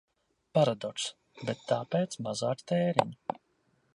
Paradokss. Bet tāpēc mazāk tēriņu.